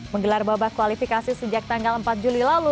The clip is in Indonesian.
menggelar babak kualifikasi sejak tanggal empat juli lalu